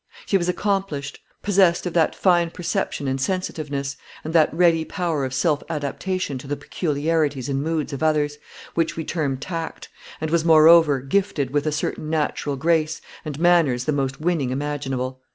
She was accomplished possessed of that fine perception and sensitiveness, and that ready power of self adaptation to the peculiarities and moods of others, which we term tact and was, moreover, gifted with a certain natural grace, and manners the most winning imaginable.